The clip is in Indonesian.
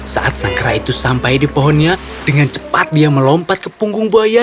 saat sang kera itu sampai di pohonnya dengan cepat dia melompat ke punggung buaya